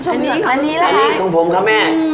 อันนี้ของผมค่ะแม่